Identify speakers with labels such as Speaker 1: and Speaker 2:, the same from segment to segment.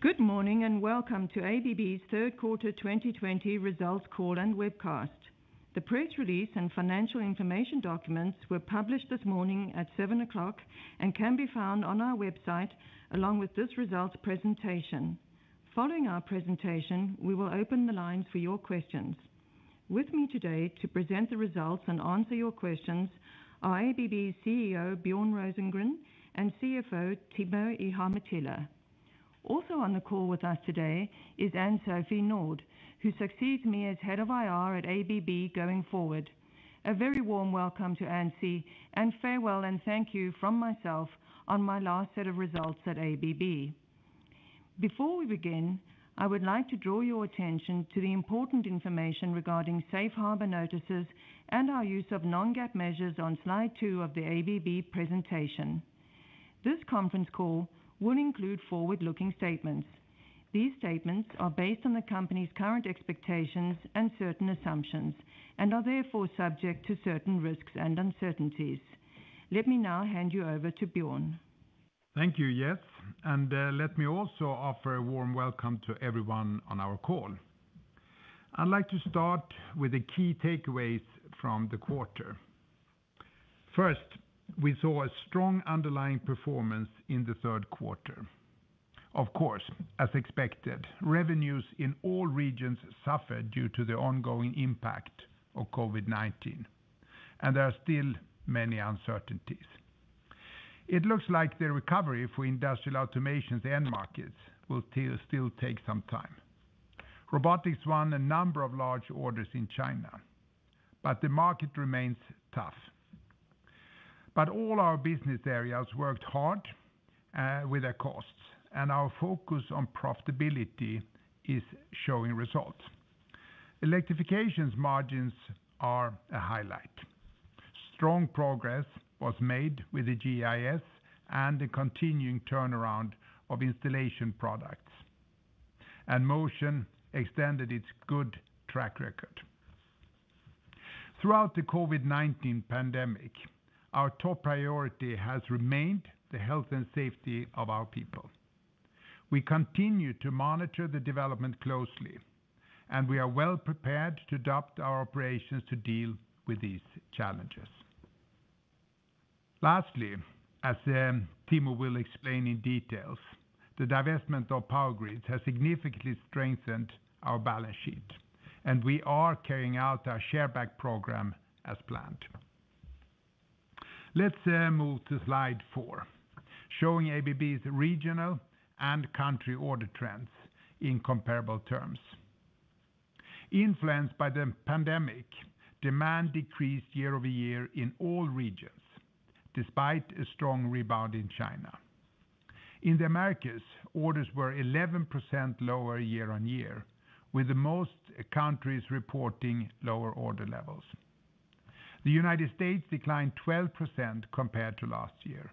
Speaker 1: Good morning, and welcome to ABB's Third Quarter 2020 Results Call and Webcast. The press release and financial information documents were published this morning at 7:00 A.M. and can be found on our website along with this results presentation. Following our presentation, we will open the lines for your questions. With me today to present the results and answer your questions are ABB CEO, Björn Rosengren, and CFO, Timo Ihamuotila. Also on the call with us today is Ann-Sofie Nordh, who succeeds me as Head of IR at ABB going forward. A very warm welcome to Ann-Sofie, and farewell and thank you from myself on my last set of results at ABB. Before we begin, I would like to draw your attention to the important information regarding safe harbor notices and our use of non-GAAP measures on slide two of the ABB presentation. This conference call will include forward-looking statements. These statements are based on the company's current expectations and certain assumptions and are therefore subject to certain risks and uncertainties. Let me now hand you over to Björn.
Speaker 2: Thank you, Jess. Let me also offer a warm welcome to everyone on our call. I'd like to start with the key takeaways from the quarter. We saw a strong underlying performance in the third quarter. As expected, revenues in all regions suffered due to the ongoing impact of COVID-19, and there are still many uncertainties. It looks like the recovery for Industrial Automation's end markets will still take some time. Robotics won a number of large orders in China, but the market remains tough. All our business areas worked hard with their costs, and our focus on profitability is showing results. Electrification's margins are a highlight. Strong progress was made with the GEIS and the continuing turnaround of Installation Products, and Motion extended its good track record. Throughout the COVID-19 pandemic, our top priority has remained the health and safety of our people. We continue to monitor the development closely, and we are well prepared to adapt our operations to deal with these challenges. Lastly, as Timo will explain in details, the divestment of Power Grids has significantly strengthened our balance sheet, and we are carrying out our share buyback program as planned. Let's move to slide four, showing ABB's regional and country order trends in comparable terms. Influenced by the pandemic, demand decreased year-over-year in all regions, despite a strong rebound in China. In the Americas, orders were 11% lower year-on-year, with most countries reporting lower order levels. The United States declined 12% compared to last year.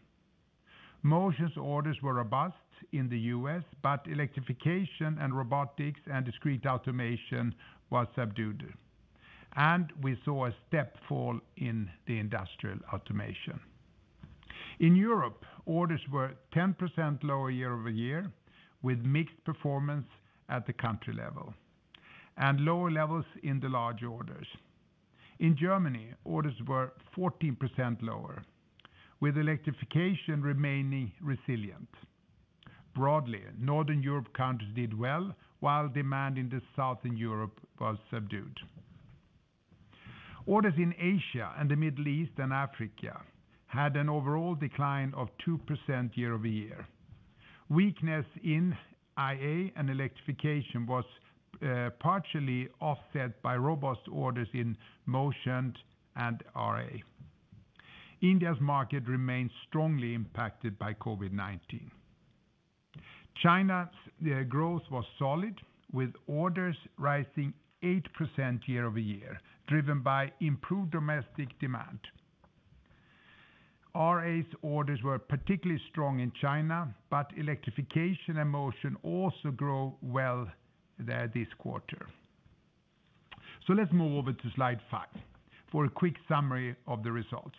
Speaker 2: Motion's orders were robust in the U.S., but Electrification and Robotics and Discrete Automation was subdued, and we saw a step fall in the Industrial Automation. In Europe, orders were 10% lower year-over-year, with mixed performance at the country level and lower levels in the large orders. In Germany, orders were 14% lower, with Electrification remaining resilient. Broadly, Northern Europe countries did well, while demand in the Southern Europe was subdued. Orders in Asia and the Middle East and Africa had an overall decline of 2% year-over-year. Weakness in IA and Electrification was partially offset by robust orders in Motion and RA. India's market remains strongly impacted by COVID-19. China's growth was solid, with orders rising 8% year-over-year, driven by improved domestic demand. RA's orders were particularly strong in China, but Electrification and Motion also grew well there this quarter. Let's move over to slide five for a quick summary of the results.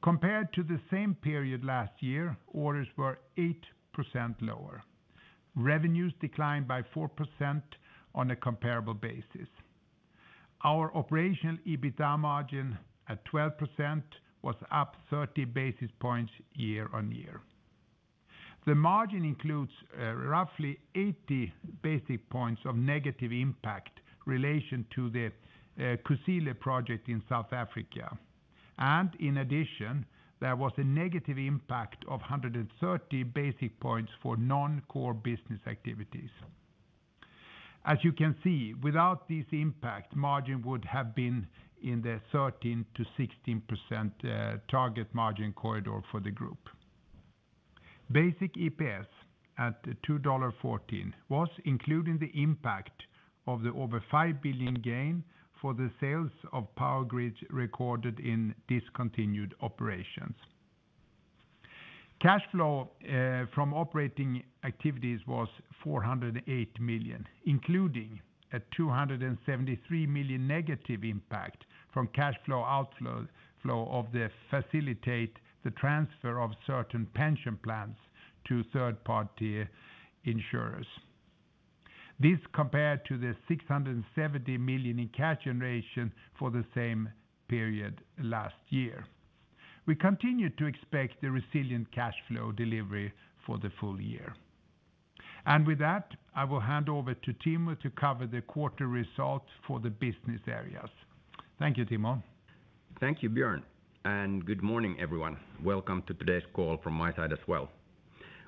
Speaker 2: Compared to the same period last year, orders were 8% lower. Revenues declined by 4% on a comparable basis. Our operational EBITA margin at 12% was up 30 basis points year-on-year. The margin includes roughly 80 basis points of negative impact in relation to the Kusile project in South Africa. In addition, there was a negative impact of 130 basis points for non-core business activities. As you can see, without this impact, margin would have been in the 13%-16% target margin corridor for the group. Basic EPS at $2.14 was including the impact of the over $5 billion gain for the sales of Power Grids recorded in discontinued operations. Cash flow from operating activities was $408 million, including a $273 million negative impact from cash flow outflow of the facilitate the transfer of certain pension plans to third-party insurers. This compared to the $670 million in cash generation for the same period last year. We continue to expect the resilient cash flow delivery for the full year. With that, I will hand over to Timo to cover the quarter results for the Business Areas. Thank you, Timo.
Speaker 3: Thank you, Björn. Good morning, everyone. Welcome to today's call from my side as well.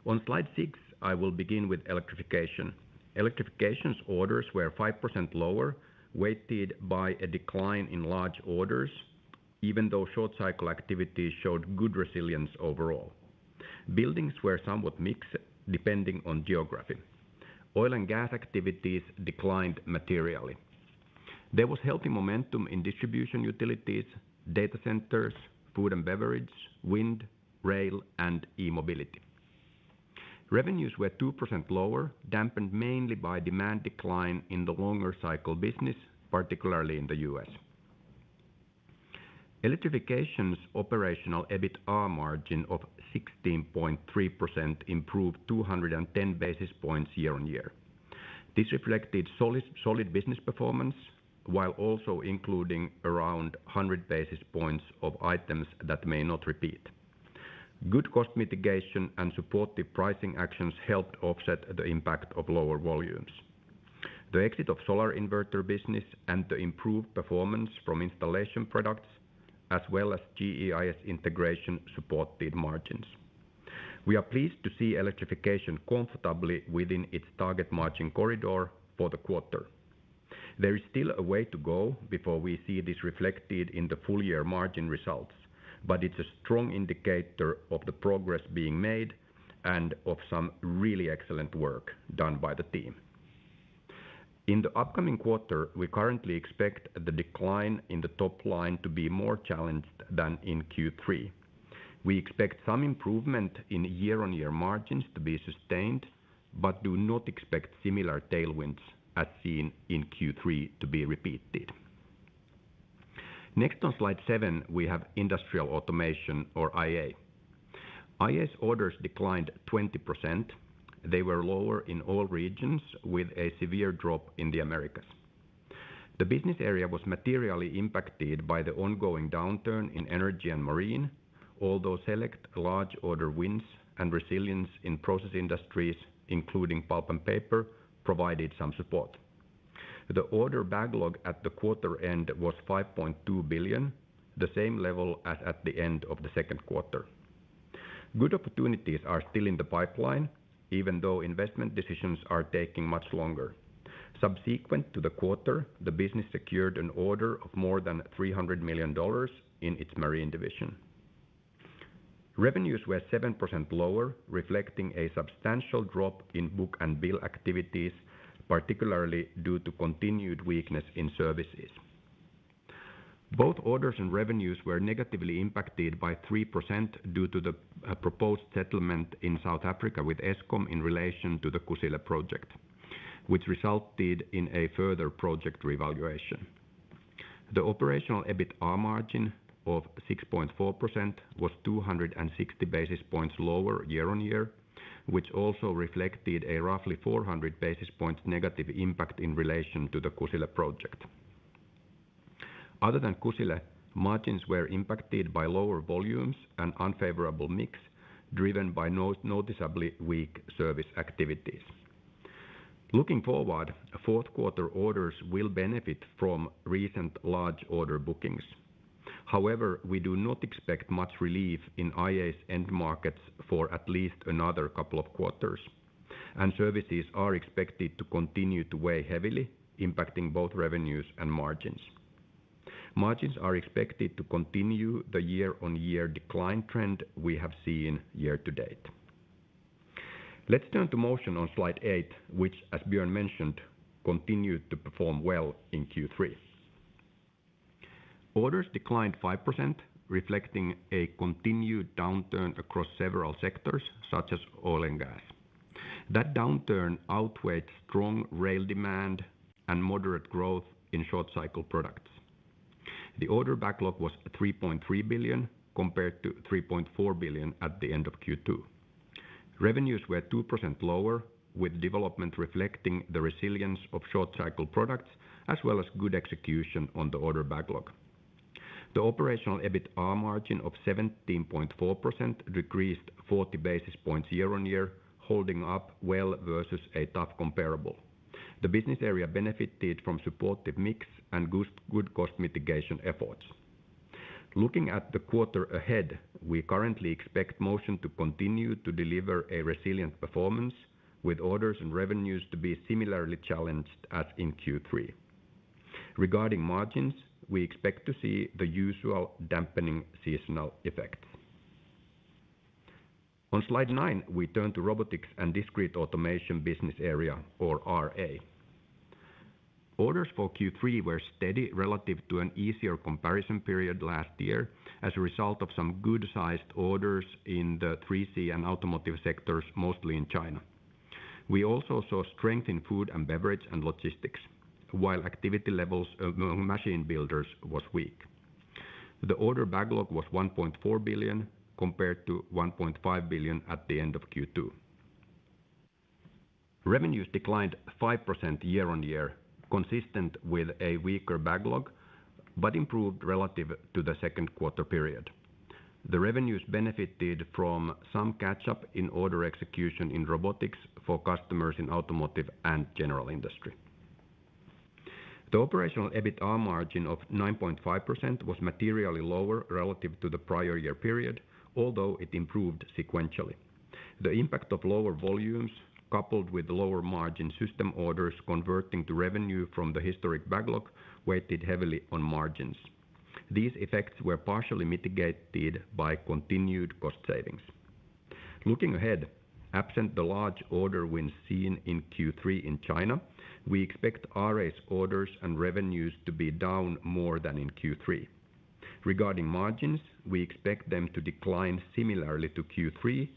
Speaker 3: On slide six, I will begin with Electrification. Electrification's orders were 5% lower, weighted by a decline in large orders, even though short cycle activity showed good resilience overall. Buildings were somewhat mixed depending on geography. Oil and gas activities declined materially. There was healthy momentum in distribution utilities, data centers, food and beverage, wind, rail, and E-mobility. Revenues were 2% lower, dampened mainly by demand decline in the longer cycle business, particularly in the U.S. Electrification's operational EBITA margin of 16.3% improved 210 basis points year-over-year. This reflected solid business performance, while also including around 100 basis points of items that may not repeat. Good cost mitigation and supportive pricing actions helped offset the impact of lower volumes. The exit of solar inverter business and the improved performance from Installation Products, as well as GEIS integration supported margins. We are pleased to see Electrification comfortably within its target margin corridor for the quarter. There is still a way to go before we see this reflected in the full year margin results, but it's a strong indicator of the progress being made and of some really excellent work done by the team. In the upcoming quarter, we currently expect the decline in the top line to be more challenged than in Q3. We expect some improvement in year-on-year margins to be sustained, but do not expect similar tailwinds as seen in Q3 to be repeated. Next on slide seven, we have Industrial Automation or IA. IA's orders declined 20%. They were lower in all regions with a severe drop in the Americas. The business area was materially impacted by the ongoing downturn in energy and marine, although select large order wins and resilience in process industries, including pulp and paper, provided some support. The order backlog at the quarter end was $5.2 billion, the same level as at the end of the second quarter. Good opportunities are still in the pipeline, even though investment decisions are taking much longer. Subsequent to the quarter, the business secured an order of more than $300 million in its marine division. Revenues were 7% lower, reflecting a substantial drop in book-and-bill activities, particularly due to continued weakness in services. Both orders and revenues were negatively impacted by 3% due to the proposed settlement in South Africa with Eskom in relation to the Kusile project, which resulted in a further project revaluation. The operational EBITA margin of 6.4% was 260 basis points lower year-on-year, which also reflected a roughly 400 basis point negative impact in relation to the Kusile project. Other than Kusile, margins were impacted by lower volumes and unfavorable mix, driven by noticeably weak service activities. Looking forward, fourth quarter orders will benefit from recent large order bookings. We do not expect much relief in IA's end markets for at least another couple of quarters, and services are expected to continue to weigh heavily, impacting both revenues and margins. Margins are expected to continue the year-on-year decline trend we have seen year-to-date. Let's turn to Motion on slide eight, which, as Björn mentioned, continued to perform well in Q3. Orders declined 5%, reflecting a continued downturn across several sectors, such as oil and gas. That downturn outweighed strong rail demand and moderate growth in short cycle products. The order backlog was $3.3 billion, compared to $3.4 billion at the end of Q2. Revenues were 2% lower, with development reflecting the resilience of short cycle products, as well as good execution on the order backlog. The operational EBITA margin of 17.4% decreased 40 basis points year-on-year, holding up well versus a tough comparable. The business area benefited from supportive mix and good cost mitigation efforts. Looking at the quarter ahead, we currently expect Motion to continue to deliver a resilient performance with orders and revenues to be similarly challenged as in Q3. Regarding margins, we expect to see the usual dampening seasonal effect. On slide nine, we turn to Robotics and Discrete Automation business area or RA. Orders for Q3 were steady relative to an easier comparison period last year as a result of some good-sized orders in the 3C and automotive sectors, mostly in China. We also saw strength in food and beverage and logistics, while activity levels among machine builders was weak. The order backlog was $1.4 billion, compared to $1.5 billion at the end of Q2. Revenues declined 5% year-on-year, consistent with a weaker backlog, but improved relative to the second quarter period. The revenues benefited from some catch-up in order execution in Robotics for customers in automotive and general industry. The operational EBITA margin of 9.5% was materially lower relative to the prior year period, although it improved sequentially. The impact of lower volumes, coupled with lower margin system orders converting to revenue from the historic backlog, weighted heavily on margins. These effects were partially mitigated by continued cost savings. Looking ahead, absent the large order wins seen in Q3 in China, we expect RA's orders and revenues to be down more than in Q3. Regarding margins, we expect them to decline similarly to Q3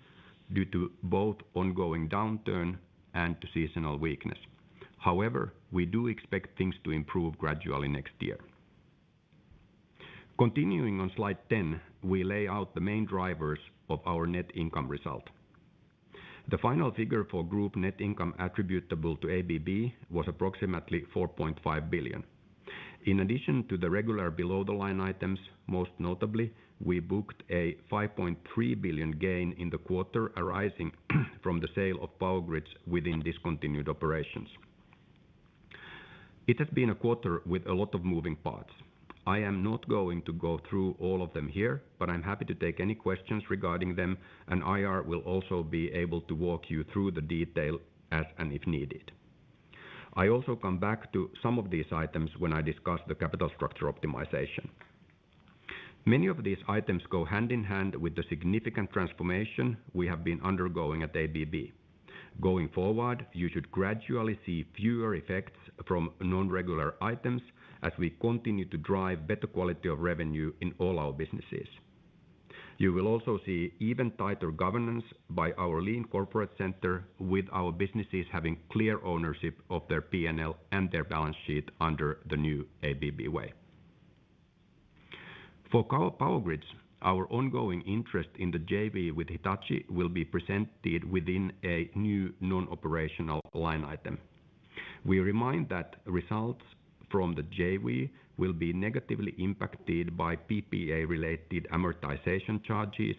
Speaker 3: due to both ongoing downturn and seasonal weakness. We do expect things to improve gradually next year. Continuing on slide 10, we lay out the main drivers of our net income result. The final figure for group net income attributable to ABB was approximately $4.5 billion. In addition to the regular below the line items, most notably, we booked a $5.3 billion gain in the quarter arising from the sale of Power Grids within discontinued operations. It has been a quarter with a lot of moving parts. I am not going to go through all of them here, but I'm happy to take any questions regarding them, and IR will also be able to walk you through the detail as, and if needed. I also come back to some of these items when I discuss the capital structure optimization. Many of these items go hand in hand with the significant transformation we have been undergoing at ABB. Going forward, you should gradually see fewer effects from non-regular items as we continue to drive better quality of revenue in all our businesses. You will also see even tighter governance by our lean corporate center with our businesses having clear ownership of their P&L and their balance sheet under the new ABB Way. For our Power Grids, our ongoing interest in the JV with Hitachi will be presented within a new non-operational line item. We remind that results from the JV will be negatively impacted by PPA related amortization charges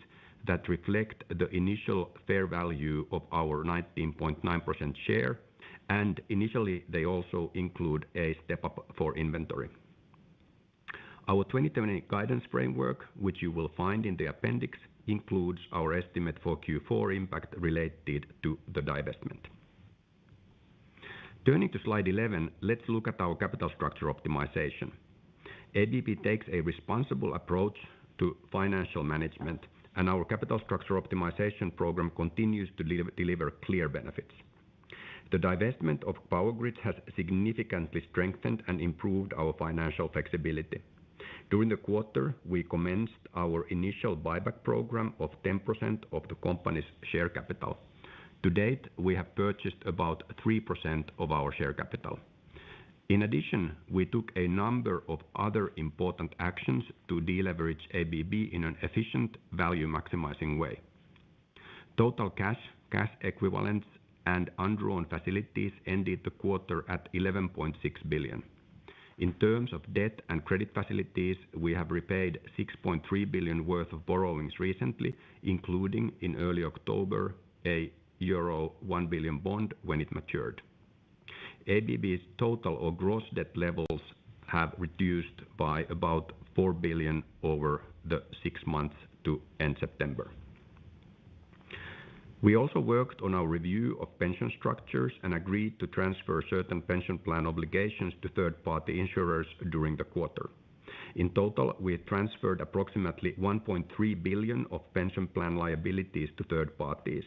Speaker 3: that reflect the initial fair value of our 19.9% share, and initially, they also include a step-up for inventory. Our 2020 guidance framework, which you will find in the appendix, includes our estimate for Q4 impact related to the divestment. Turning to slide 11, let's look at our capital structure optimization. ABB takes a responsible approach to financial management, and our capital structure optimization program continues to deliver clear benefits. The divestment of Power Grids has significantly strengthened and improved our financial flexibility. During the quarter, we commenced our initial buyback program of 10% of the company's share capital. To date, we have purchased about 3% of our share capital. In addition, we took a number of other important actions to deleverage ABB in an efficient, value-maximizing way. Total cash equivalents, and undrawn facilities ended the quarter at 11.6 billion. In terms of debt and credit facilities, we have repaid 6.3 billion worth of borrowings recently, including in early October, a euro 1 billion bond when it matured. ABB's total or gross debt levels have reduced by about 4 billion over the six months to end September. We also worked on our review of pension structures and agreed to transfer certain pension plan obligations to third-party insurers during the quarter. In total, we had transferred approximately $1.3 billion of pension plan liabilities to third parties.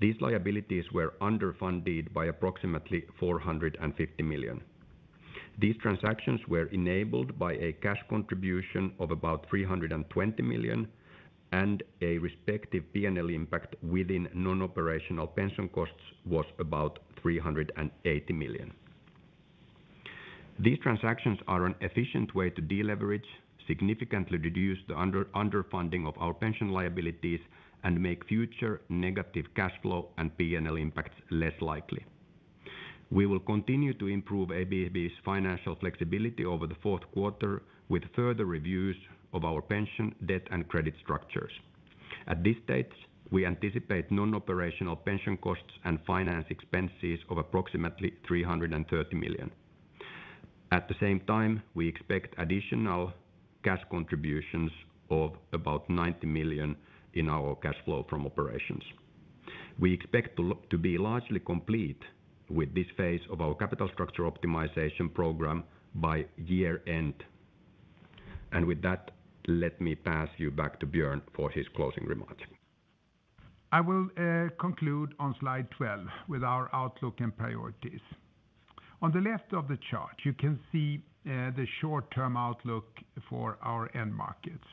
Speaker 3: These liabilities were underfunded by approximately $450 million. These transactions were enabled by a cash contribution of about $320 million and a respective P&L impact within non-operational pension costs was about $380 million. These transactions are an efficient way to deleverage, significantly reduce the underfunding of our pension liabilities, and make future negative cash flow and P&L impacts less likely. We will continue to improve ABB's financial flexibility over the fourth quarter with further reviews of our pension debt and credit structures. At this stage, we anticipate non-operational pension costs and finance expenses of approximately $330 million. At the same time, we expect additional cash contributions of about $90 million in our cash flow from operations. We expect to be largely complete with this phase of our capital structure optimization program by year-end. With that, let me pass you back to Björn for his closing remarks.
Speaker 2: I will conclude on slide 12 with our outlook and priorities. On the left of the chart, you can see the short-term outlook for our end markets.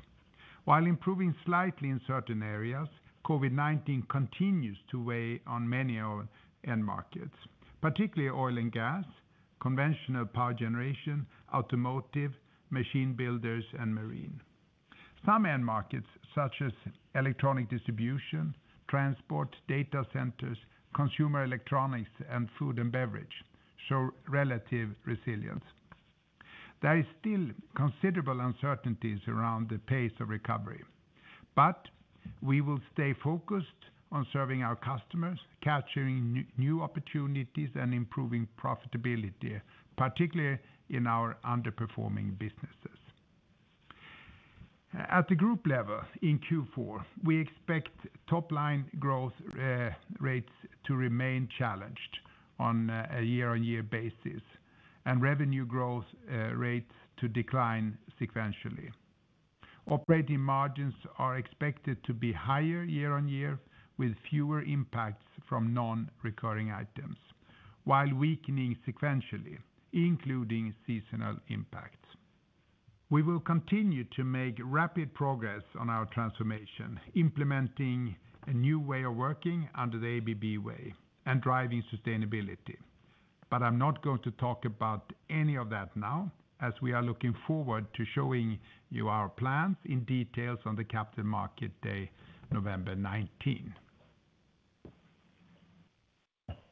Speaker 2: While improving slightly in certain areas, COVID-19 continues to weigh on many end markets, particularly oil and gas, conventional power generation, automotive, machine builders, and marine. Some end markets, such as electrical distribution, transport, data centers, consumer electronics, and food and beverage, show relative resilience. There is still considerable uncertainties around the pace of recovery. We will stay focused on serving our customers, capturing new opportunities, and improving profitability, particularly in our underperforming businesses. At the group level in Q4, we expect top-line growth rates to remain challenged on a year-on-year basis, and revenue growth rates to decline sequentially. Operating margins are expected to be higher year-on-year, with fewer impacts from non-recurring items, while weakening sequentially, including seasonal impacts. We will continue to make rapid progress on our transformation, implementing a new way of working under the ABB Way, and driving sustainability. I'm not going to talk about any of that now, as we are looking forward to showing you our plans in detail on the Capital Markets Day, November 19.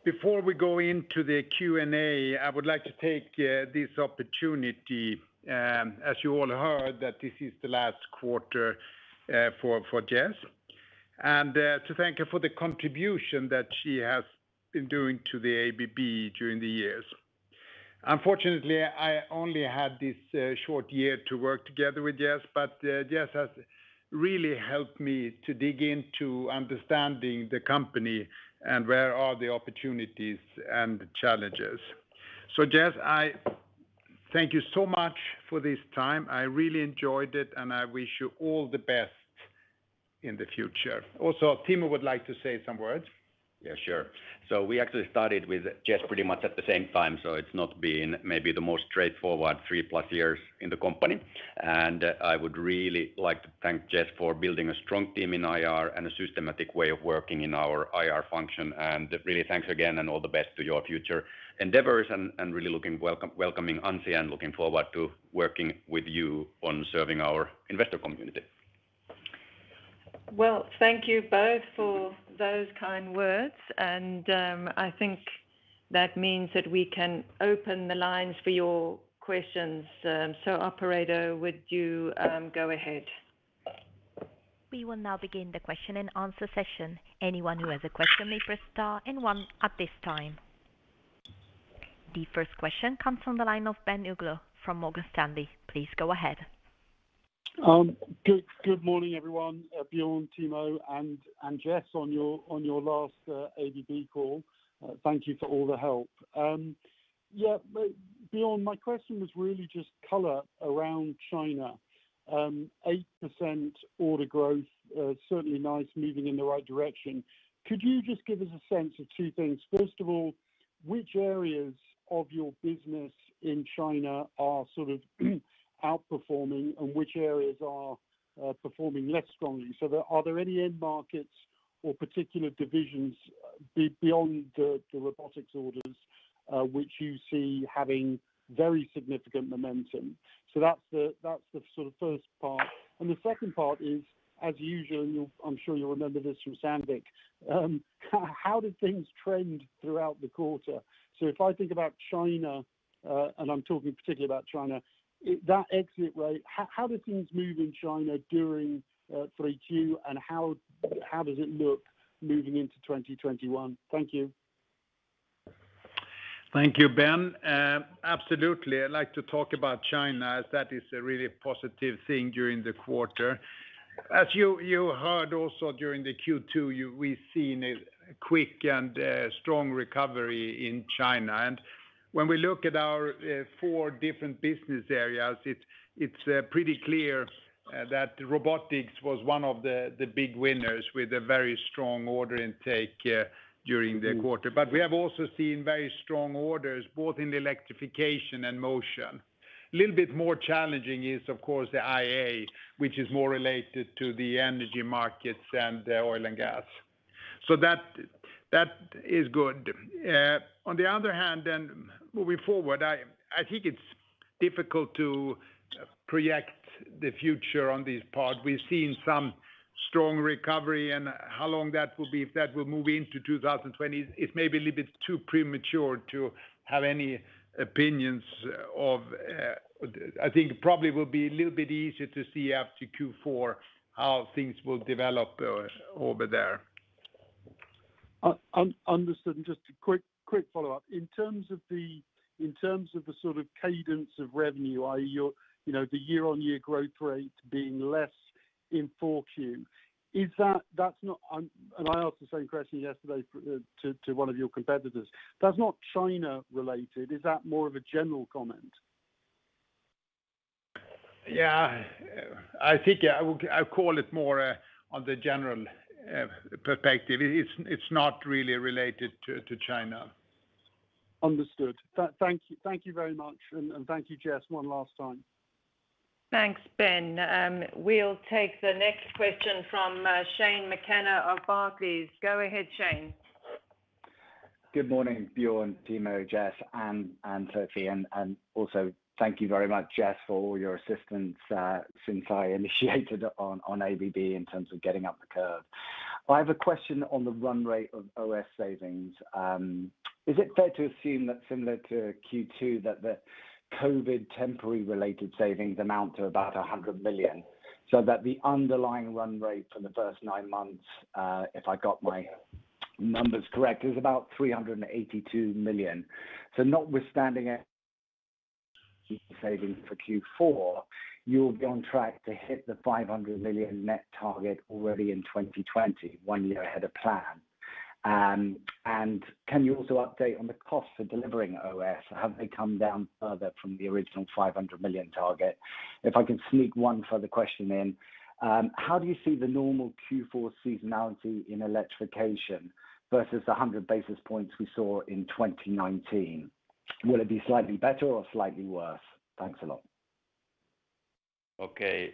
Speaker 2: Before we go into the Q&A, I would like to take this opportunity, as you all heard, that this is the last quarter for Jess, and to thank her for the contribution that she has been doing to the ABB during the years. Unfortunately, I only had this short year to work together with Jess, but Jess has really helped me to dig into understanding the company, and where are the opportunities and challenges. Jess, I thank you so much for this time. I really enjoyed it, and I wish you all the best in the future. Timo would like to say some words.
Speaker 3: Yeah, sure. We actually started with Jess pretty much at the same time, so it's not been maybe the most straightforward three-plus years in the company. I would really like to thank Jess for building a strong team in IR and a systematic way of working in our IR function. Really, thanks again, and all the best to your future endeavors, and really welcoming Ann-Sofie, and looking forward to working with you on serving our investor community.
Speaker 1: Well, thank you both for those kind words, and I think that means that we can open the lines for your questions. Operator, would you go ahead?
Speaker 4: We will now begin the question and answer session. Anyone who has a question may press star and one at this time. The first question comes from the line of Ben Uglow from Morgan Stanley. Please go ahead.
Speaker 5: Good morning, everyone. Björn, Timo, and Jess, on your last ABB call. Thank you for all the help. Yeah, Björn, my question was really just color around China. 8% order growth, certainly nice, moving in the right direction. Could you just give us a sense of two things? First of all, which areas of your business in China are outperforming and which areas are performing less strongly? Are there any end markets or particular divisions beyond the Robotics orders, which you see having very significant momentum? That's the first part. The second part is, as usual, I'm sure you'll remember this from Sandvik. How did things trend throughout the quarter? If I think about China, and I'm talking particularly about China, that exit rate, how did things move in China during Q3 and how does it look moving into 2021? Thank you.
Speaker 2: Thank you, Ben. Absolutely. I'd like to talk about China, as that is a really positive thing during the quarter. As you heard also during the Q2, we've seen a quick and strong recovery in China. When we look at our four different business areas, it's pretty clear that Robotics was one of the big winners with a very strong order intake during the quarter. We have also seen very strong orders, both in the Electrification and Motion. Little bit more challenging is, of course, the IA, which is more related to the energy markets and oil and gas. That is good. On the other hand then, moving forward, I think it's difficult to project the future on this part. We've seen some strong recovery, and how long that will be, if that will move into 2020, it's maybe a little bit too premature to have any opinions of. I think probably will be a little bit easier to see after Q4 how things will develop over there.
Speaker 5: Understood. Just a quick follow-up. In terms of the sort of cadence of revenue, i.e. the year-on-year growth rate being less in 4Q, and I asked the same question yesterday to one of your competitors. That's not China-related. Is that more of a general comment?
Speaker 2: Yeah. I think I'll call it more on the general perspective. It's not really related to China.
Speaker 5: Understood. Thank you very much, and thank you, Jess, one last time.
Speaker 1: Thanks, Ben. We'll take the next question from Shane McKenna of Barclays. Go ahead, Shane.
Speaker 6: Good morning, Björn, Timo, Jess, and Ann-Sofie. Also thank you very much, Jess, for all your assistance since I initiated on ABB in terms of getting up the curve. I have a question on the run rate of OS savings. Is it fair to assume that similar to Q2, that the COVID temporary related savings amount to about $100 million, so that the underlying run rate for the first nine months, if I got my numbers correct, is about $382 million. Notwithstanding savings for Q4, you'll be on track to hit the $500 million net target already in 2020, one year ahead of plan. Can you also update on the cost for delivering OS? Have they come down further from the original $500 million target? If I can sneak one further question in, how do you see the normal Q4 seasonality in Electrification versus the 100 basis points we saw in 2019? Will it be slightly better or slightly worse? Thanks a lot.
Speaker 3: Okay.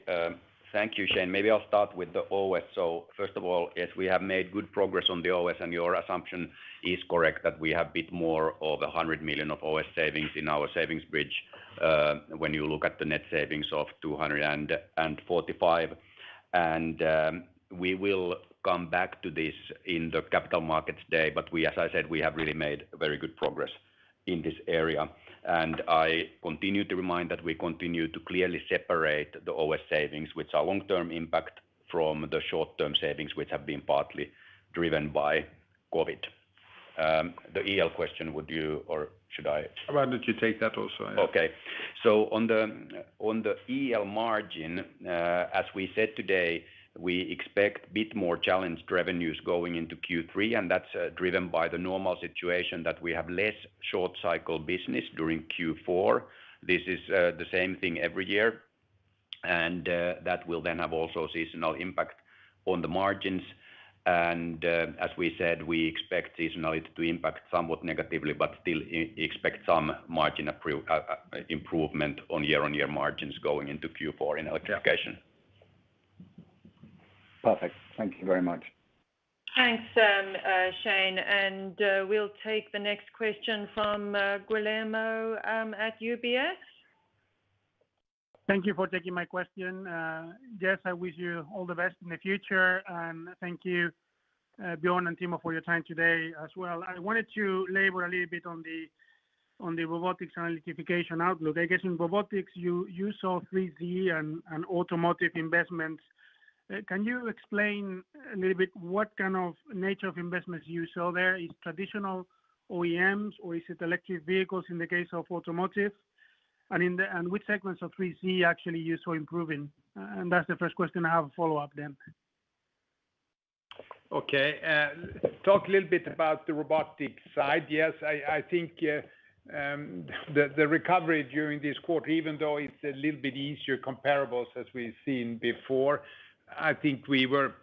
Speaker 3: Thank you, Shane. Maybe I'll start with the OS. First of all, yes, we have made good progress on the OS, and your assumption is correct that we have a bit more of $100 million of OS savings in our savings bridge when you look at the net savings of $245. We will come back to this in the Capital Markets Day, but as I said, we have really made very good progress in this area. I continue to remind that we continue to clearly separate the OS savings, which are long-term impact from the short-term savings, which have been partly driven by COVID. The EL question, would you or should I?
Speaker 2: Why don't you take that also?
Speaker 3: On the EL margin, as we said today, we expect a bit more challenged revenues going into Q3, and that's driven by the normal situation that we have less short cycle business during Q4. This is the same thing every year, that will then have also seasonal impact on the margins. As we said, we expect seasonality to impact somewhat negatively, but still expect some margin improvement on year-on-year margins going into Q4 in Electrification.
Speaker 6: Perfect. Thank you very much.
Speaker 1: Thanks, Shane. We'll take the next question from Guillermo at UBS.
Speaker 7: Thank you for taking my question. Jess, I wish you all the best in the future, and thank you, Björn and Timo, for your time today as well. I wanted to labor a little bit on the Robotics and Electrification outlook. I guess in Robotics, you saw 3C and automotive investments. Can you explain a little bit what kind of nature of investments you saw there? Is traditional OEMs or is it electric vehicles in the case of automotive? Which segments of 3C actually you saw improving? That's the first question. I have a follow-up then.
Speaker 2: Okay. Talk a little bit about the robotics side. Yes, I think the recovery during this quarter, even though it's a little bit easier comparables as we've seen before, I think we were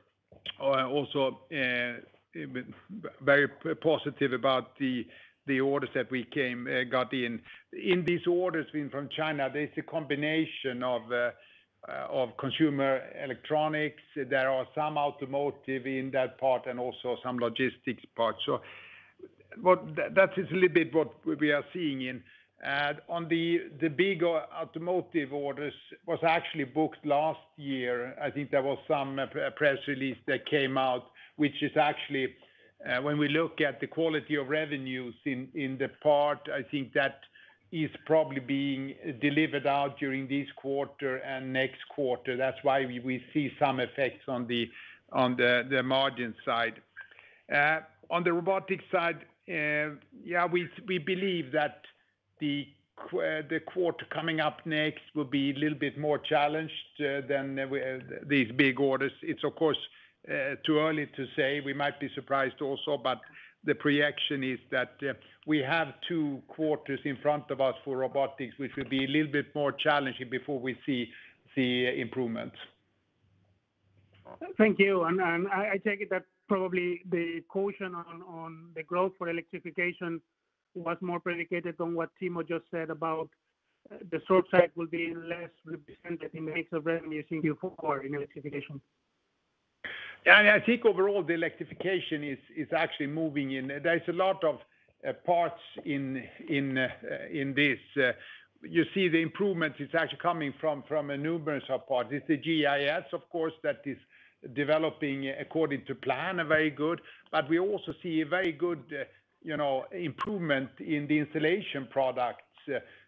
Speaker 2: also very positive about the orders that we got in. In these orders from China, there's a combination of consumer electronics. There are some automotive in that part and also some logistics parts. That is a little bit what we are seeing in. On the bigger automotive orders was actually booked last year. I think there was some press release that came out, which is actually when we look at the quality of revenues in the part, I think that is probably being delivered out during this quarter and next quarter. That's why we see some effects on the margin side. On the robotics side, we believe that the quarter coming up next will be a little bit more challenged than these big orders. It is of course, too early to say. We might be surprised also, but the projection is that we have two quarters in front of us for robotics, which will be a little bit more challenging before we see improvements.
Speaker 7: Thank you. I take it that probably the caution on the growth for Electrification was more predicated on what Timo just said about the short cycle will be less represented in the mix of revenues in Q4 in Electrification.
Speaker 2: Yeah, I think overall the Electrification is actually moving in. There's a lot of parts in this. You see the improvements, it's actually coming from a numerous of parts. It's the GEIS, of course, that is developing according to plan, very good. We also see a very good improvement in the Installation Products.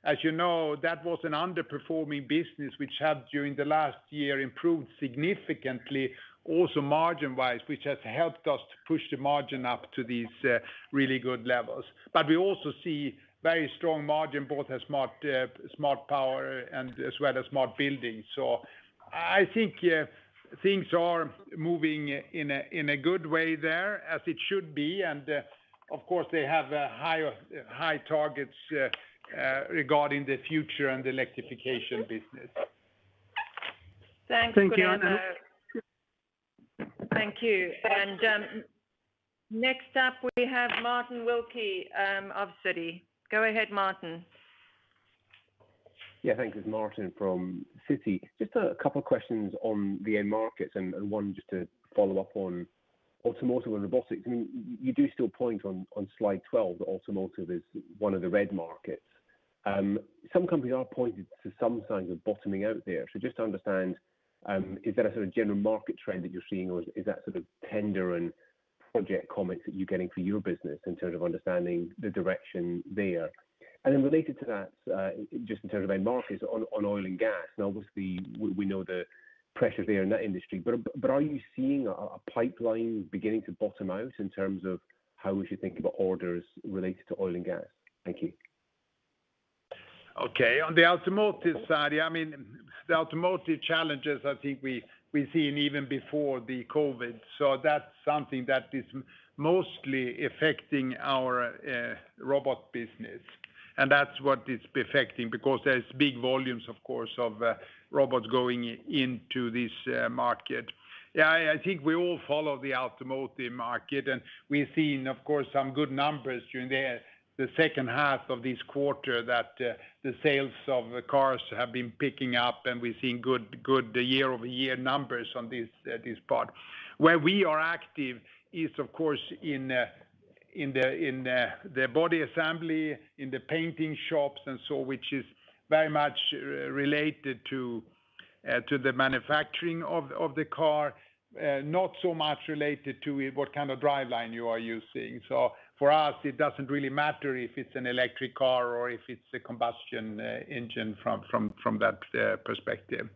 Speaker 2: As you know, that was an underperforming business which had during the last year improved significantly also margin wise, which has helped us to push the margin up to these really good levels. We also see very strong margin, both as Smart Power and as well as Smart Buildings. I think things are moving in a good way there as it should be, and of course they have high targets regarding the future and the Electrification business.
Speaker 7: Thanks, Björn.
Speaker 1: Thank you, and. Thank you. next up we have Martin Wilkie of Citi. Go ahead, Martin.
Speaker 8: Yeah, thanks. It's Martin from Citi. Just a couple questions on the end markets, and one just to follow up on automotive and Robotics. You do still point on slide 12 that automotive is one of the red markets. Some companies are pointing to some signs of bottoming out there. Just to understand, is that a sort of general market trend that you're seeing, or is that sort of tender and project comments that you're getting for your business in terms of understanding the direction there? Related to that, just in terms of end markets on oil and gas, now obviously, we know the pressure there in that industry, but are you seeing a pipeline beginning to bottom out in terms of how we should think about orders related to oil and gas? Thank you.
Speaker 2: On the automotive side, the automotive challenges, I think we've seen even before the COVID-19. That's something that is mostly affecting our robot business, and that's what it's affecting because there's big volumes, of course, of robots going into this market. I think we all follow the automotive market, and we've seen, of course, some good numbers during the second half of this quarter that the sales of cars have been picking up, and we've seen good year-over-year numbers on this part. Where we are active is, of course, in the body assembly, in the painting shops, which is very much related to the manufacturing of the car, not so much related to what kind of driveline you are using. For us, it doesn't really matter if it's an electric car or if it's a combustion engine from that perspective.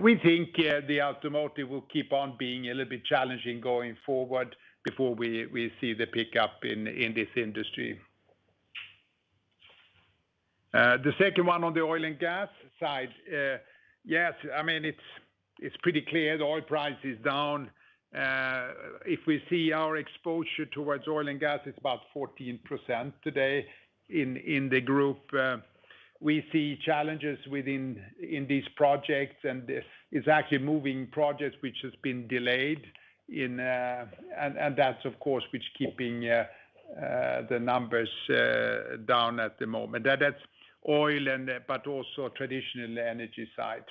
Speaker 2: We think the automotive will keep on being a little bit challenging going forward before we see the pickup in this industry. The second one on the oil and gas side. Yes, it's pretty clear the oil price is down. If we see our exposure towards oil and gas, it's about 14% today in the group. We see challenges within these projects, and it's actually moving projects which has been delayed, and that's of course, which keeping the numbers down at the moment. That's oil, but also traditional energy side.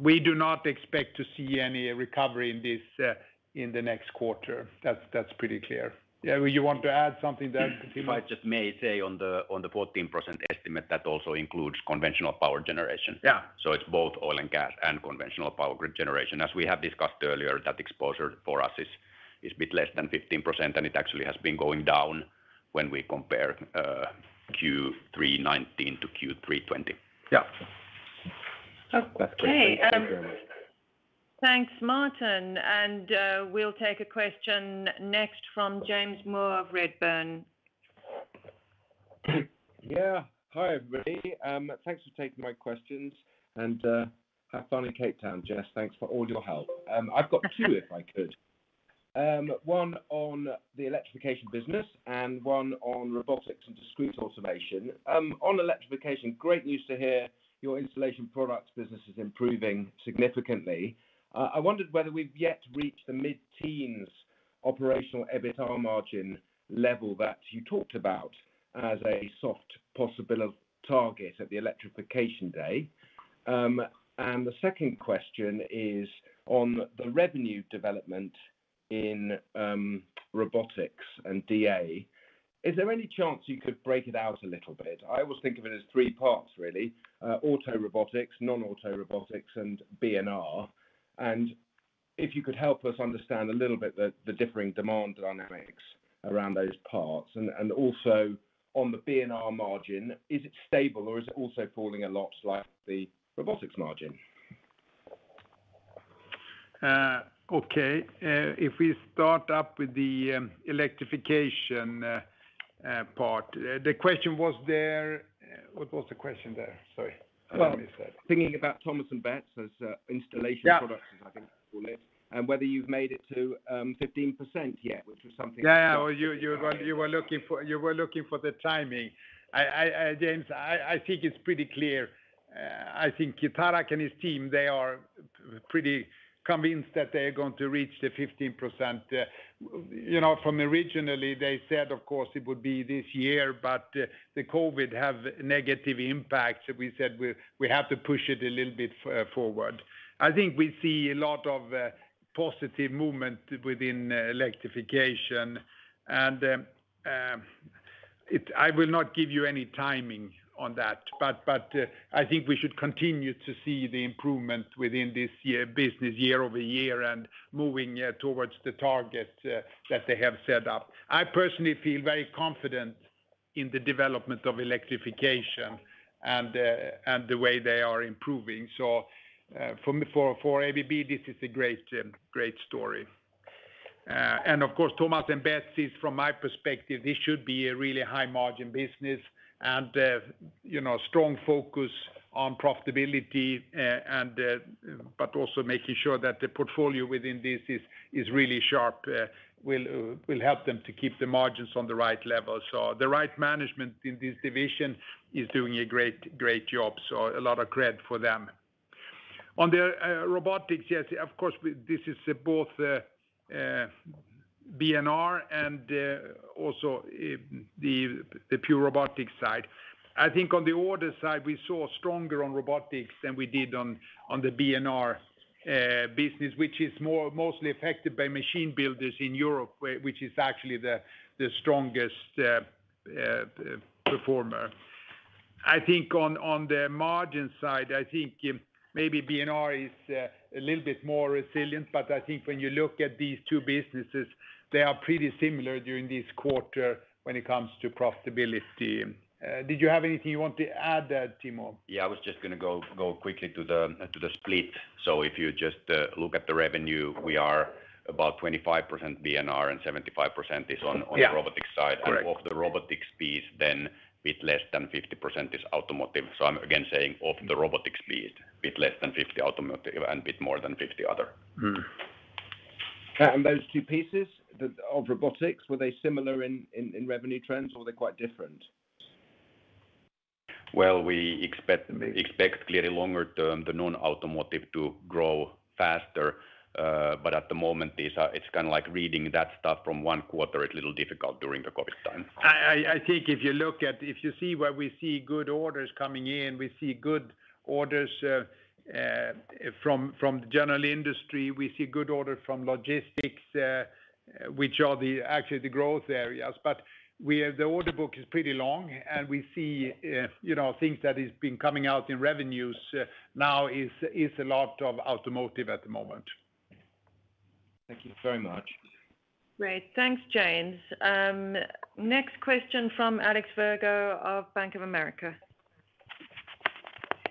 Speaker 2: We do not expect to see any recovery in this in the next quarter. That's pretty clear. You want to add something there, Timo?
Speaker 3: If I just may say on the 14% estimate, that also includes conventional power generation.
Speaker 2: Yeah.
Speaker 3: It's both oil and gas and conventional power grid generation. As we have discussed earlier, that exposure for us is a bit less than 15%, and it actually has been going down when we compare Q3 2019 to Q3 2020.
Speaker 2: Yeah.
Speaker 8: That's clear. Thank you very much.
Speaker 1: Okay. Thanks, Martin. We'll take a question next from James Moore of Redburn.
Speaker 9: Hi, everybody. Thanks for taking my questions. Have fun in Cape Town, Jess, thanks for all your help. I've got two, if I could. One on the Electrification business and one on Robotics and Discrete Automation. On Electrification, great news to hear your Installation Products business is improving significantly. I wondered whether we've yet to reach the mid-teens operational EBITA margin level that you talked about as a soft possibility target at the Electrification Investor Day. The second question is on the revenue development in Robotics and DA. Is there any chance you could break it out a little bit? I always think of it as three parts, really. Auto Robotics, non-auto Robotics, and B&R. If you could help us understand a little bit the differing demand dynamics around those parts, and also on the B&R margin, is it stable or is it also falling a lot like the robotics margin?
Speaker 2: Okay. If we start up with the Electrification part. What was the question there? Sorry. I missed that.
Speaker 9: Thinking about Thomas & Betts as installation products.
Speaker 2: Yeah
Speaker 9: as I think you call it, and whether you've made it to 15% yet, which was something
Speaker 2: You were looking for the timing. James, I think it's pretty clear. I think Tarak and his team, they are pretty convinced that they are going to reach the 15%. Originally, they said, of course, it would be this year, but the COVID have negative impacts, we said we have to push it a little bit forward. I think we see a lot of positive movement within Electrification, and I will not give you any timing on that, but I think we should continue to see the improvement within this business year-over-year and moving towards the target that they have set up. I personally feel very confident in the development of Electrification and the way they are improving. For ABB, this is a great story. Of course, Thomas & Betts is from my perspective, this should be a really high-margin business, and strong focus on profitability, but also making sure that the portfolio within this is really sharp will help them to keep the margins on the right level. The right management in this division is doing a great job. A lot of credit for them. On the robotics, yes, of course, this is both B&R and also the pure robotics side. I think on the order side, we saw stronger on robotics than we did on the B&R business, which is mostly affected by machine builders in Europe, which is actually the strongest performer. I think on the margin side, I think maybe B&R is a little bit more resilient, but I think when you look at these two businesses, they are pretty similar during this quarter when it comes to profitability. Did you have anything you want to add there, Timo?
Speaker 3: Yeah, I was just going to go quickly to the split. If you just look at the revenue, we are about 25% B&R and 75% is on the Robotics side.
Speaker 2: Yeah. Correct.
Speaker 3: Of the Robotics piece, a bit less than 50% is automotive. I'm again saying of the Robotics piece, a bit less than 50 automotive and a bit more than 50 other.
Speaker 9: Those two pieces of Robotics, were they similar in revenue trends or were they quite different?
Speaker 3: Well, we expect clearly longer term the non-automotive to grow faster. At the moment, it's kind of like reading that stuff from one quarter is a little difficult during the COVID time.
Speaker 2: I think if you see where we see good orders coming in, we see good orders from the general industry, we see good order from logistics, which are actually the growth areas. The order book is pretty long, and we see things that have been coming out in revenues now is a lot of automotive at the moment.
Speaker 9: Thank you very much.
Speaker 1: Great. Thanks, James. Next question from Alex Virgo of Bank of America.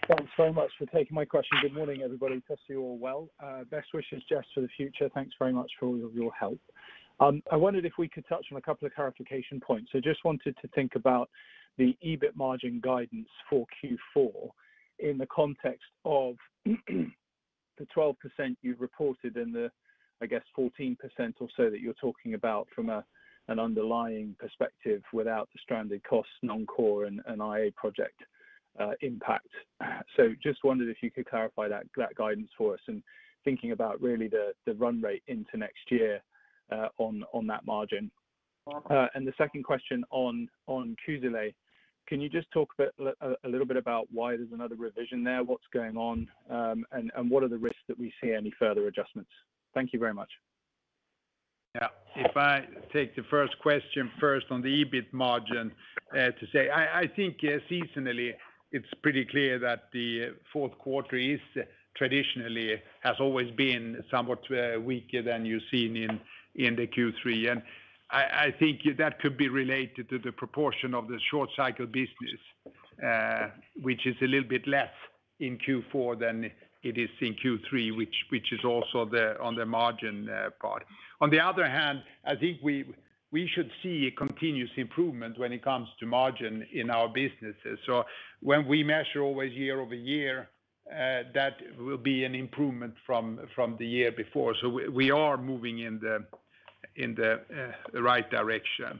Speaker 10: Thanks very much for taking my question. Good morning, everybody. Trust you're all well. Best wishes, Jess, for the future. Thanks very much for all of your help. I wondered if we could touch on a couple of clarification points. Just wanted to think about the EBIT margin guidance for Q4 in the context of the 12% you've reported and the, I guess, 14% or so that you're talking about from an underlying perspective without the stranded costs, non-core, and IA project impact. Just wondered if you could clarify that guidance for us, and thinking about really the run rate into next year on that margin. The second question on Kusile. Can you just talk a little bit about why there's another revision there? What's going on? What are the risks that we see any further adjustments? Thank you very much.
Speaker 2: If I take the first question first on the EBIT margin, to say I think seasonally it's pretty clear that the fourth quarter traditionally has always been somewhat weaker than you've seen in the Q3. I think that could be related to the proportion of the short cycle business, which is a little bit less in Q4 than it is in Q3, which is also on the margin part. On the other hand, I think we should see a continuous improvement when it comes to margin in our businesses. When we measure always year-over-year, that will be an improvement from the year before. We are moving in the right direction.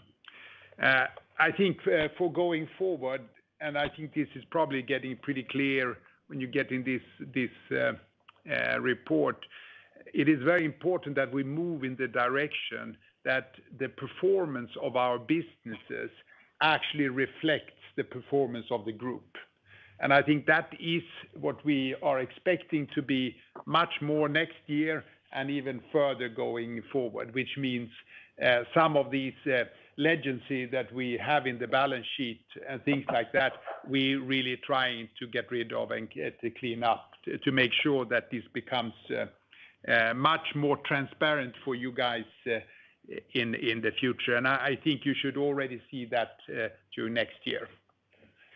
Speaker 2: I think for going forward, I think this is probably getting pretty clear when you're getting this report, it is very important that we move in the direction that the performance of our businesses actually reflects the performance of the group. I think that is what we are expecting to be much more next year and even further going forward, which means some of these legacies that we have in the balance sheet and things like that, we're really trying to get rid of and to clean up to make sure that this becomes much more transparent for you guys in the future. I think you should already see that through next year.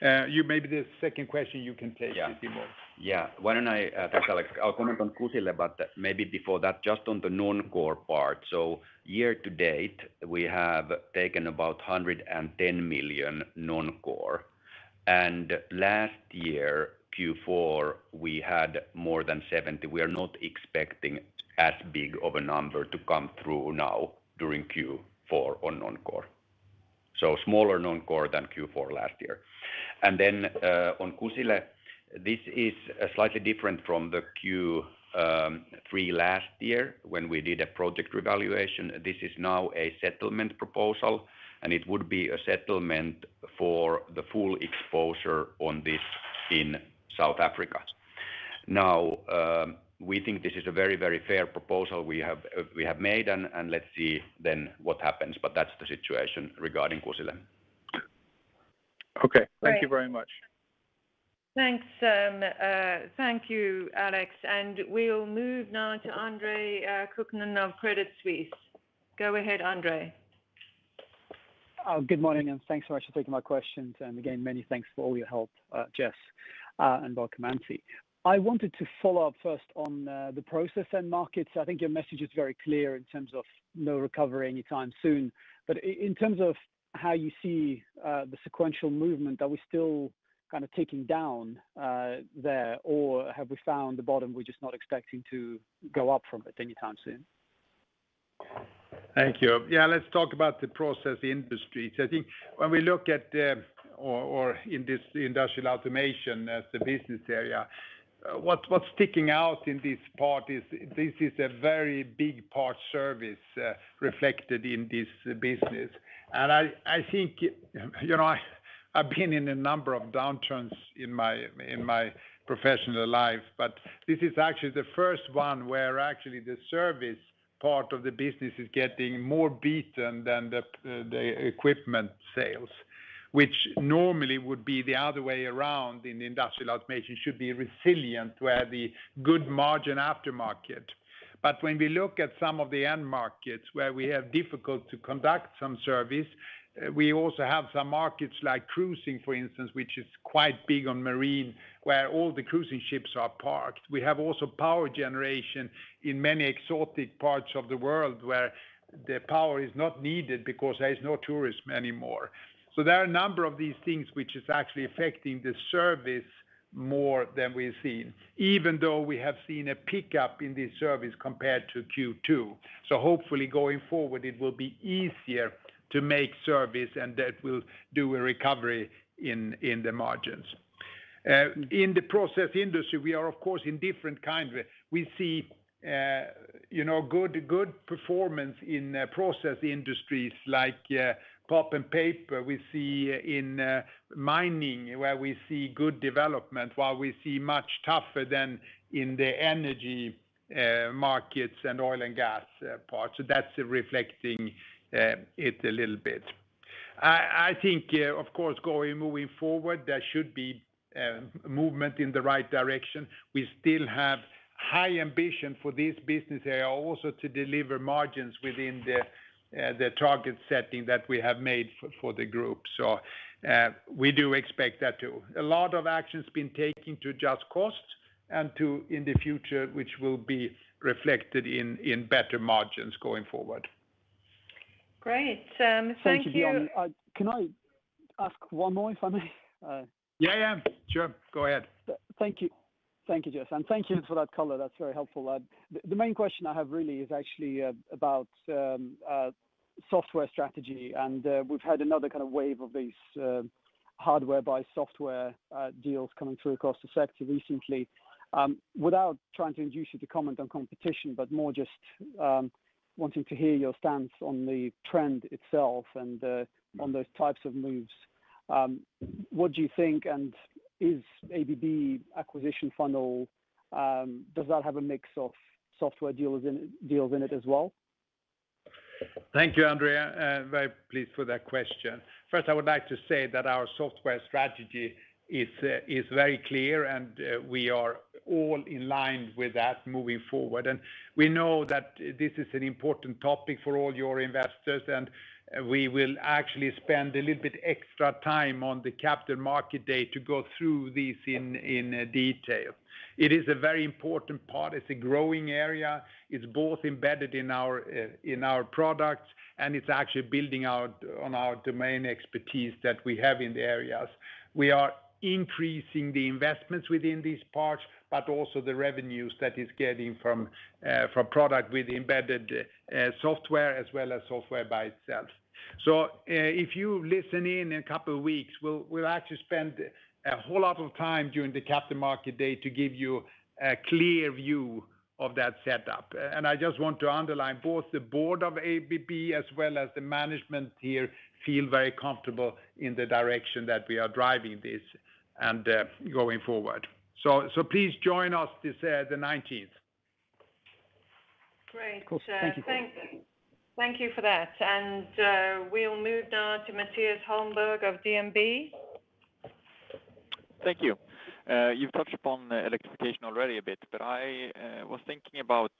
Speaker 2: Maybe the second question you can take, Timo.
Speaker 3: Yeah. Thanks, Alex. I'll comment on Kusile, but maybe before that, just on the non-core part. Year-to-date, we have taken about 110 million non-core, and last year, Q4, we had more than 70 million. We are not expecting as big of a number to come through now during Q4 on non-core. Smaller non-core than Q4 last year. On Kusile, this is slightly different from the Q3 last year when we did a project revaluation. This is now a settlement proposal, and it would be a settlement for the full exposure on this in South Africa. We think this is a very fair proposal we have made, and let's see then what happens, but that's the situation regarding Kusile.
Speaker 10: Okay. Thank you very much.
Speaker 1: Thanks. Thank you, Alex. We'll move now to Andre Kukhnin of Credit Suisse. Go ahead, Andre.
Speaker 11: Good morning, thanks so much for taking my questions, and again, many thanks for all your help, Jess and welcome Ann-Sofie. I wanted to follow up first on the process end markets. I think your message is very clear in terms of no recovery anytime soon, but in terms of how you see the sequential movement, are we still kind of ticking down there, or have we found the bottom, we're just not expecting to go up from it anytime soon?
Speaker 2: Thank you. Yeah, let's talk about the process industries. I think when we look at, or in this Industrial Automation as the business area, what's sticking out in this part is this is a very big part service reflected in this business. I think, I've been in a number of downturns in my professional life, but this is actually the first one where actually the service part of the business is getting more beaten than the equipment sales, which normally would be the other way around, and Industrial Automation should be resilient, where the good margin aftermarket. When we look at some of the end markets where we have difficult to conduct some service, we also have some markets like cruising, for instance, which is quite big on marine, where all the cruising ships are parked. We have also power generation in many exotic parts of the world where the power is not needed because there is no tourism anymore. There are a number of these things which is actually affecting the service more than we've seen, even though we have seen a pickup in the service compared to Q2. Hopefully going forward it will be easier to make service and that will do a recovery in the margins. In the process industry, we are of course in different kinds. We see good performance in process industries like pulp and paper. We see in mining where we see good development, while we see much tougher than in the energy markets and oil and gas parts. That's reflecting it a little bit. I think, of course, moving forward, there should be movement in the right direction. We still have high ambition for this business area also to deliver margins within the target setting that we have made for the group. We do expect that too. A lot of action's been taken to adjust costs and to, in the future, which will be reflected in better margins going forward.
Speaker 1: Great. Thank you.
Speaker 11: Thank you, Björn. Can I ask one more, if I may?
Speaker 2: Yeah. Sure. Go ahead.
Speaker 11: Thank you. Thank you, Jess, and thank you for that color. That's very helpful. The main question I have really is actually about software strategy, and we've had another kind of wave of these hardware by software deals coming through across the sector recently. Without trying to induce you to comment on competition, but more just wanting to hear your stance on the trend itself and on those types of moves, what do you think, and does ABB acquisition funnel have a mix of software deals in it as well?
Speaker 2: Thank you, Andre. Very pleased for that question. First, I would like to say that our software strategy is very clear, and we are all in line with that moving forward. We know that this is an important topic for all your investors, and we will actually spend a little bit extra time on the Capital Markets Day to go through this in detail. It is a very important part. It's a growing area. It's both embedded in our products, and it's actually building out on our domain expertise that we have in the areas. We are increasing the investments within this part, but also the revenues that is getting from product with embedded software as well as software by itself. If you listen in a couple of weeks, we'll actually spend a whole lot of time during the Capital Markets Day to give you a clear view of that setup. I just want to underline both the board of ABB as well as the management here feel very comfortable in the direction that we are driving this and going forward. Please join us this, the 19th.
Speaker 1: Great.
Speaker 11: Of course. Thank you.
Speaker 1: Thank you for that. We'll move now to Mattias Holmberg of DNB.
Speaker 12: Thank you. You've touched upon Electrification already a bit, but I was thinking about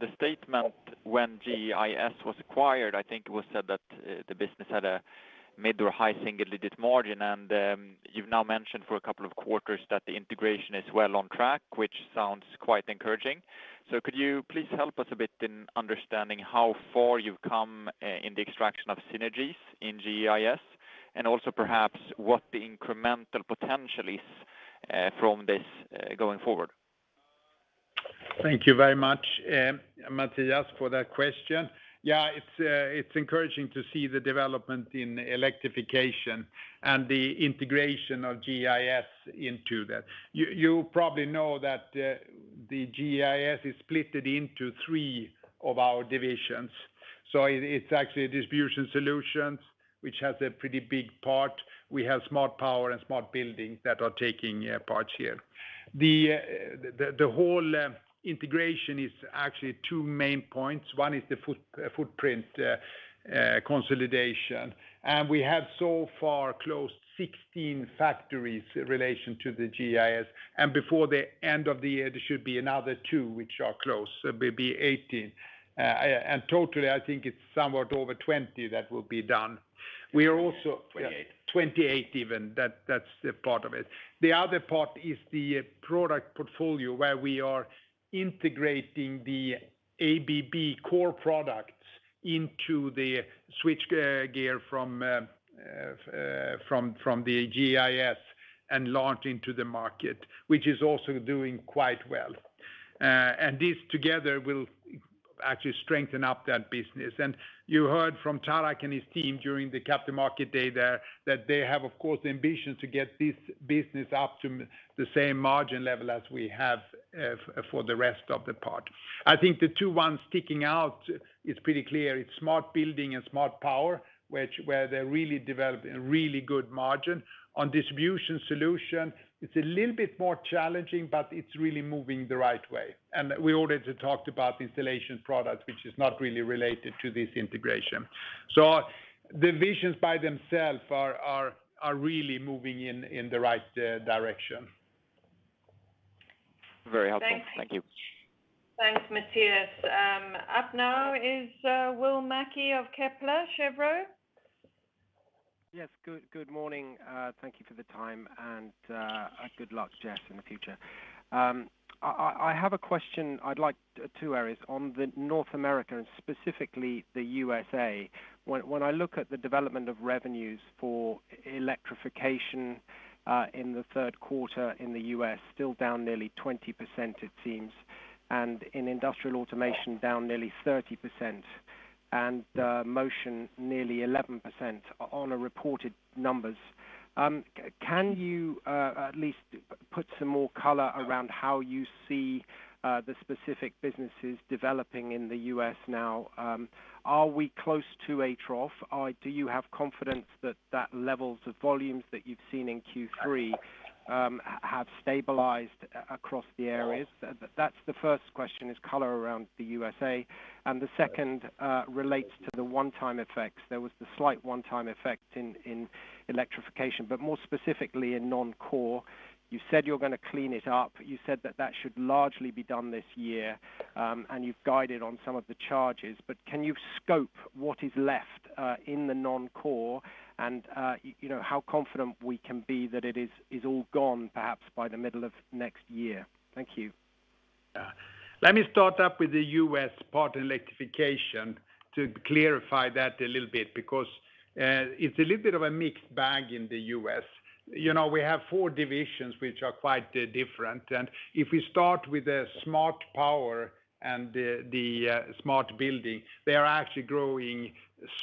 Speaker 12: the statement when GEIS was acquired, I think it was said that the business had a mid or high single-digit margin. You've now mentioned for a couple of quarters that the integration is well on track, which sounds quite encouraging. Could you please help us a bit in understanding how far you've come in the extraction of synergies in GEIS, and also perhaps what the incremental potential is from this going forward?
Speaker 2: Thank you very much, Mattias, for that question. Yeah, it's encouraging to see the development in Electrification and the integration of GEIS into that. You probably know that the GEIS is split into three of our divisions. It's actually Distribution Solutions, which has a pretty big part. We have Smart Power and Smart Buildings that are taking parts here. The whole integration is actually two main points. One is the footprint consolidation. We have so far closed 16 factories in relation to the GEIS. Before the end of the year, there should be another two which are closed, so maybe 18. Totally, I think it's somewhat over 20 that will be done. We are also-
Speaker 3: 28.
Speaker 2: 28 even. That's the part of it. The other part is the product portfolio, where we are integrating the ABB core products into the switchgear from the GEIS and launch into the market, which is also doing quite well. This together will actually strengthen up that business. You heard from Tarak and his team during the Capital Markets Day there that they have, of course, ambitions to get this business up to the same margin level as we have for the rest of the part. I think the two ones sticking out, it's pretty clear it's Smart Building and Smart Power, where they're really developing a really good margin. On Distribution Solution, it's a little bit more challenging, but it's really moving the right way. We already talked about Installation Product, which is not really related to this integration. The divisions by themselves are really moving in the right direction.
Speaker 12: Very helpful.
Speaker 1: Thanks.
Speaker 12: Thank you.
Speaker 1: Thanks, Mattias. Up now is Will Mackie of Kepler Cheuvreux.
Speaker 13: Good morning. Thank you for the time. Good luck, Jess, in the future. I have a question. I'd like two areas on North America and specifically the U.S.A. When I look at the development of revenues for Electrification in the third quarter in the U.S., still down nearly 20%, it seems, and in Industrial Automation, down nearly 30%, and Motion nearly 11% on reported numbers. Can you at least put some more color around how you see the specific businesses developing in the U.S. now? Are we close to a trough? Do you have confidence that the levels of volumes that you've seen in Q3 have stabilized across the areas? That's the first question, is color around the U.S.A. The second relates to the one-time effects. There was the slight one-time effect in Electrification, but more specifically in non-core. You said you're going to clean it up. You said that that should largely be done this year, and you've guided on some of the charges, but can you scope what is left in the non-core and how confident we can be that it is all gone, perhaps by the middle of next year? Thank you.
Speaker 2: Let me start up with the U.S. part Electrification to clarify that a little bit, because it's a little bit of a mixed bag in the U.S. We have four divisions which are quite different. If we start with the Smart Power and the Smart Buildings, they are actually growing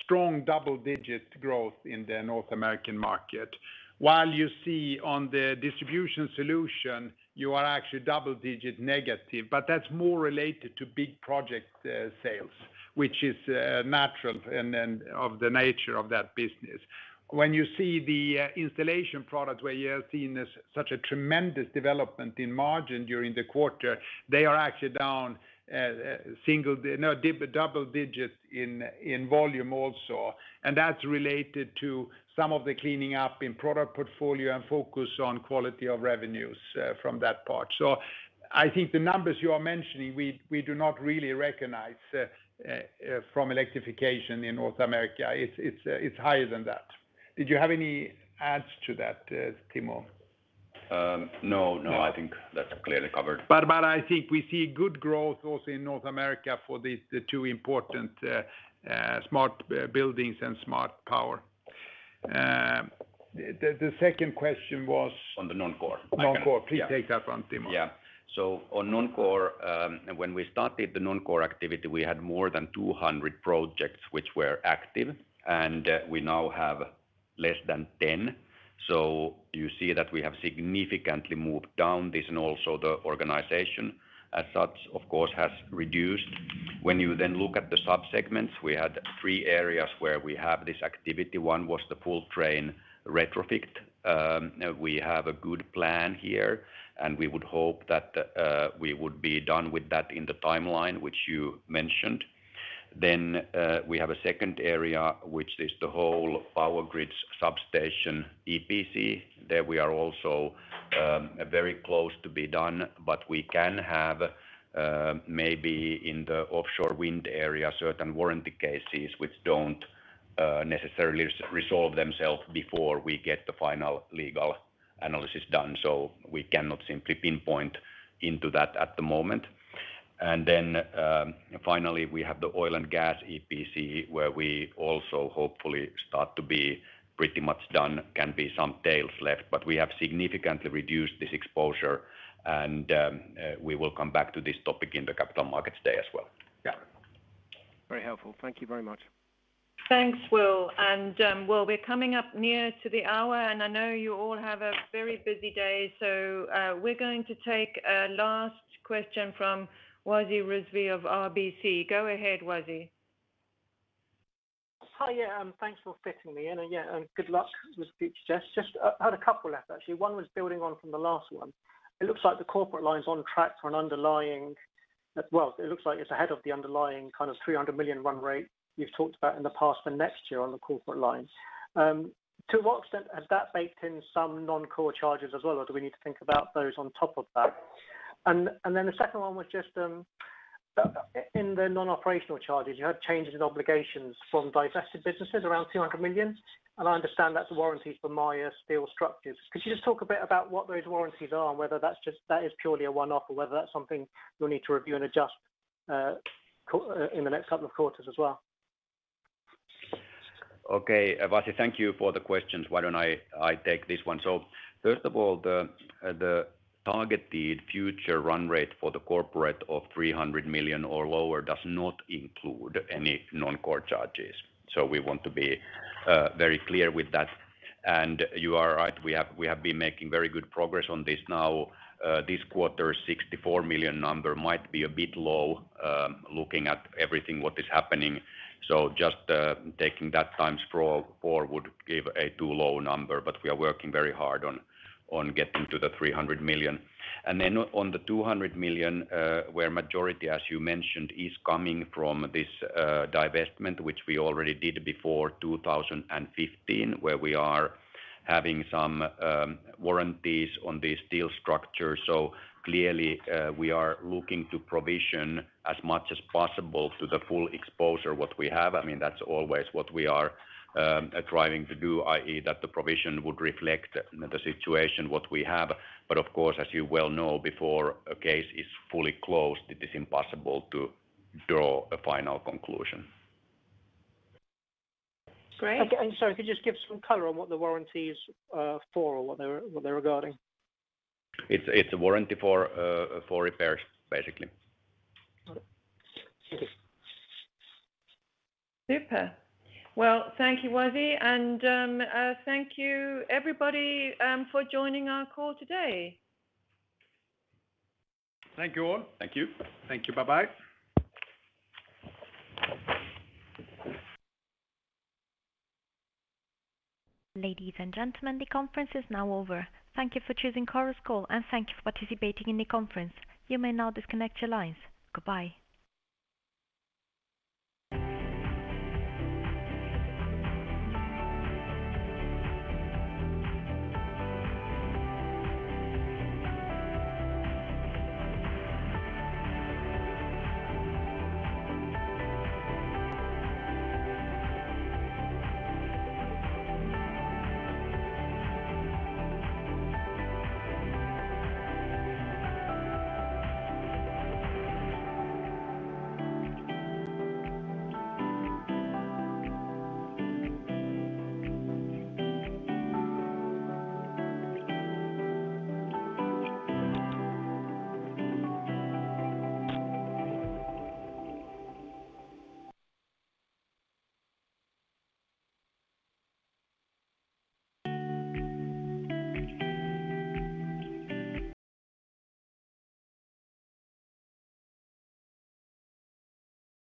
Speaker 2: strong double-digit growth in the North American market. While you see on the Distribution Solutions, you are actually double-digit negative, but that's more related to big project sales, which is natural of the nature of that business. You see the Installation Products where you have seen such a tremendous development in margin during the quarter, they are actually down double-digits in volume also. That's related to some of the cleaning up in product portfolio and focus on quality of revenues from that part. I think the numbers you are mentioning, we do not really recognize from Electrification in North America. It's higher than that. Did you have any adds to that, Timo?
Speaker 3: No. I think that's clearly covered.
Speaker 2: I think we see good growth also in North America for the two important Smart Buildings and Smart Power. The second question was-
Speaker 3: On the non-core.
Speaker 2: non-core. Please take that one, Timo.
Speaker 3: Yeah. On non-core, when we started the non-core activity, we had more than 200 projects which were active, and we now have less than 10. You see that we have significantly moved down this, and also the organization as such, of course, has reduced. When you then look at the subsegments, we had three areas where we have this activity. One was the full train retrofit. We have a good plan here, and we would hope that we would be done with that in the timeline which you mentioned. We have a second area, which is the whole Power Grids substation EPC. There we are also very close to be done, but we can have maybe in the offshore wind area, certain warranty cases which don't necessarily resolve themselves before we get the final legal analysis done. We cannot simply pinpoint into that at the moment. Finally, we have the oil and gas EPC, where we also hopefully start to be pretty much done, can be some tails left. We have significantly reduced this exposure, and we will come back to this topic in the Capital Markets Day as well.
Speaker 13: Yeah. Very helpful. Thank you very much.
Speaker 1: Thanks, Will. Will, we're coming up near to the hour, and I know you all have a very busy day. We're going to take a last question from Wasi Rizvi of RBC. Go ahead, Wasi.
Speaker 14: Hi. Thanks for fitting me in. Good luck with the future, Jess. Just had a couple left, actually. One was building on from the last one. It looks like the corporate line is on track to, well, it looks like it's ahead of the underlying kind of $300 million run rate you've talked about in the past for next year on the corporate line. To what extent has that baked in some non-core charges as well, or do we need to think about those on top of that? Then the second one was just in the non-operational charges, you had changes in obligations from divested businesses around $200 million, and I understand that's a warranty for Meyer Steel Structures. Could you just talk a bit about what those warranties are and whether that is purely a one-off or whether that's something you'll need to review and adjust in the next couple of quarters as well?
Speaker 3: Okay. Wasi, thank you for the questions. Why don't I take this one? First of all, the targeted future run rate for the corporate of $300 million or lower does not include any non-core charges. We want to be very clear with that. You are right, we have been making very good progress on this. Now, this quarter $64 million number might be a bit low, looking at everything what is happening. Just taking that times four would give a too low number. We are working very hard on getting to the $300 million. On the $200 million, where majority, as you mentioned, is coming from this divestment, which we already did before 2015, where we are having some warranties on this steel structure. Clearly, we are looking to provision as much as possible to the full exposure what we have. That's always what we are striving to do, i.e., that the provision would reflect the situation, what we have. Of course, as you well know, before a case is fully closed, it is impossible to draw a final conclusion.
Speaker 1: Great.
Speaker 14: Okay. Sorry, could you just give some color on what the warranty is for or what they're regarding?
Speaker 3: It's a warranty for repairs, basically.
Speaker 14: Got it. Thank you.
Speaker 1: Super. Well, thank you, Wasi, and thank you everybody for joining our call today.
Speaker 2: Thank you all.
Speaker 3: Thank you.
Speaker 2: Thank you. Bye-bye.
Speaker 4: Ladies and gentlemen, the conference is now over. Thank you for choosing Chorus Call, and thank you for participating in the conference. You may now disconnect your lines. Goodbye.